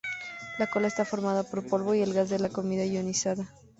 La cola está formada por polvo y el gas de la coma ionizado.